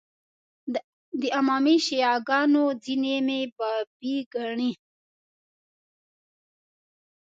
د امامي شیعه ګانو ځینې مې بابي ګڼي.